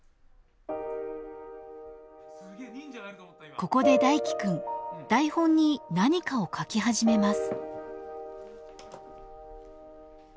ここで大樹くん台本に何かを書き始めます。